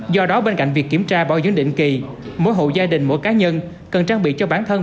do đó bên cạnh việc kiểm tra bảo dưỡng định kỳ mỗi hộ gia đình mỗi cá nhân cần trang bị cho bản thân